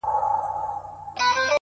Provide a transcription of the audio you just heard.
چي ياد پاته وي! ياد د نازولي زمانې!